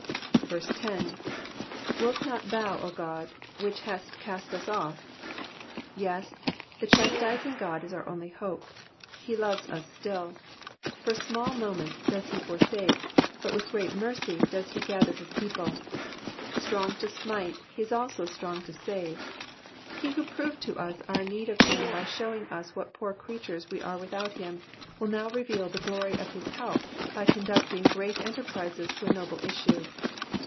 10. " Wilt not thouy 0 Ood, tohich hadst cast us offf " Yes, the chastising God is our only hope. He loves us still. For a small moment doth he forsake, but with great mercy does he gather his people. Strong to smite, he is also strong to save. He who proved to us our need of him by showing us what poor creatures we are without him, will now reveal the glory of his help by conducting great enterprises to a noble issue.